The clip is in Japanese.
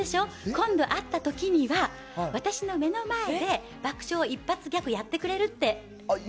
今度会ったときには、私の目の前で爆笑一発ギャグやってくれるって。